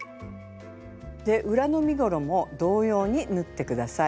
裏の身ごろも同様に縫って下さい。